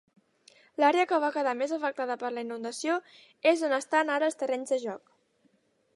L'àrea que va quedar més afectada per la inundació és on estan ara els terrenys de joc.